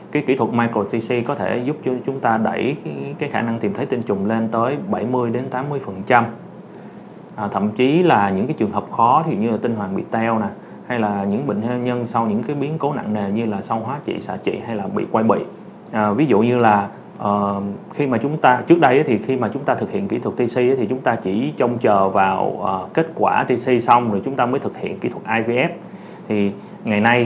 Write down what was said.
kỹ thuật micro tc là gì được thực hiện như thế nào được thực hiện như thế nào được thực hiện như thế nào được thực hiện như thế nào